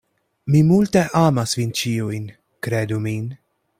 Mi multe amas vin ĉiujn; kredu min.